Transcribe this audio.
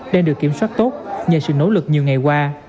đang được kiểm soát tốt nhờ sự nỗ lực nhiều ngày qua